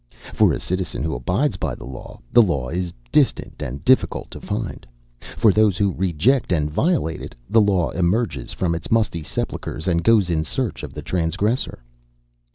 For a citizen who abides by the law, the law is distant and difficult to find. For those who reject and violate it, the law emerges from its musty sepulchers and goes in search of the transgressor."